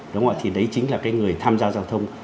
đúng rồi thì đấy chính là cái người tham gia giao thông